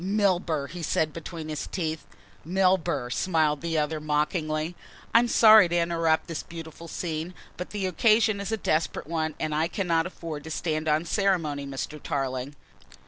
"Milburgh!" he said between his teeth. "Milburgh!" smiled the other mockingly. "I am sorry to interrupt this beautiful scene, but the occasion is a desperate one and I cannot afford to stand on ceremony, Mr. Tarling."